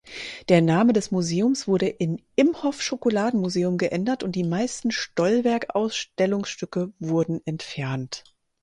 Der Name des Museums wurde in Imhoff-Schokoladenmuseum geändert und die meisten Stollwerck-Ausstellungsstücke wurden entfernt.